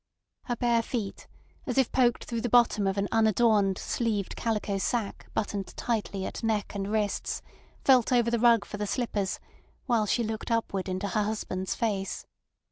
Her bare feet, as if poked through the bottom of an unadorned, sleeved calico sack buttoned tightly at neck and wrists, felt over the rug for the slippers while she looked upward into her husband's face.